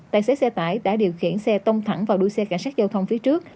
tài xế xe tải đã điều khiển xe tông thẳng vào đuôi xe cảnh sát giao thông phía trước